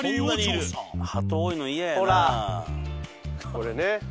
これね。